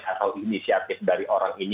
atau inisiatif dari orang ini